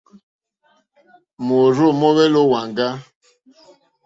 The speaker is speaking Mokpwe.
Môrzô móhwélì ó wàŋgá.